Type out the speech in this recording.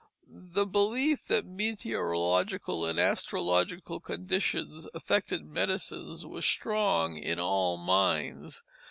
The belief that meteorological and astrological conditions affected medicines was strong in all minds.